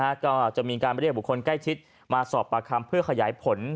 ก็จะมีการเรียกบุคคลใกล้ชิดมาสอบปากคำเพื่อขยายผล